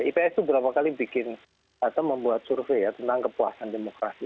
ips itu berapa kali bikin atau membuat survei ya tentang kepuasan demokrasi